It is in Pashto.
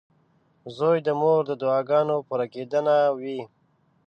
• زوی د مور د دعاګانو پوره کېدنه وي.